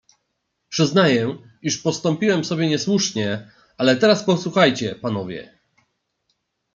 "Przyznaję, iż postąpiłem sobie niesłusznie, ale teraz posłuchajcie, panowie!"